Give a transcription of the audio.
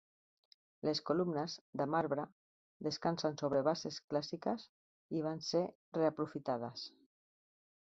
Les columnes, de marbre, descansen sobre bases clàssiques i van ser reaprofitades.